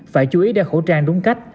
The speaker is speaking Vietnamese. phải chú ý đeo khẩu trang đúng cách